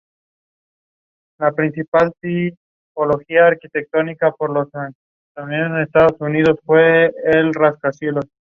Wood convenció a Bela Lugosi, una estrella cinematográfica, para que apareciese en su película.